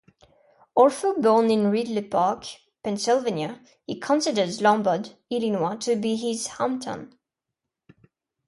Although born in Ridley Park, Pennsylvania, he considers Lombard, Illinois, to be his hometown.